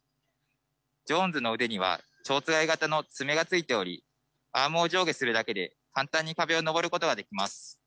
ジョーンズの腕にはちょうつがい型の爪がついておりアームを上下するだけで簡単に壁を上ることができます。